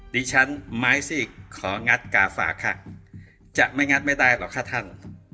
ดิฉันไม้ซีกของงัดกาฝากค่ะจะไม่งัดไม่ได้หรอกค่ะท่าน